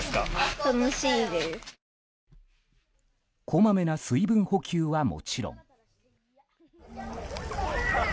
こまめな水分補給はもちろん。